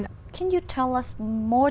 tôi là học sinh